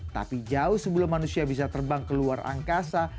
tapi jauh sebelum manusia bisa terbang ke luar angkasa